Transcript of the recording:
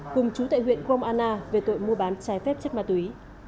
cùng chú tại huyện gromana về tội mua bán trái phép chất ma túy